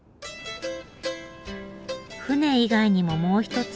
槽以外にももう一つ